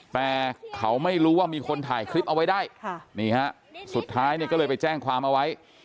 แต่เขาไม่รู้ว่ามีคนถ่ายคลิปเอาไว้ได้นี่ฮะสุดท้ายเนี่ยก็เลยไปแจ้งความเอาไว้